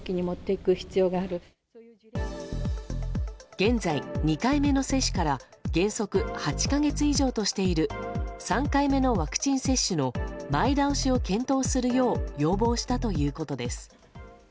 現在２回目の接種から原則８か月以上としている３回目のワクチン接種の前倒しを検討するよう要望したということです。